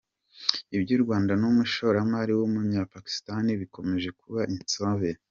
Ibyu Rwanda n’umushoramari w’Umunyapakisitani bikomeje kuba insobe